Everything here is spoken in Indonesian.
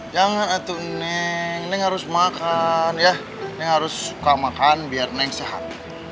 jangan atuh neng neng harus makan ya neng harus suka makan biar neng sehat